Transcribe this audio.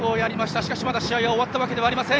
しかしまだ試合は終わったわけではありません。